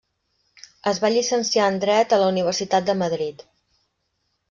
Es va llicenciar en Dret a la Universitat de Madrid.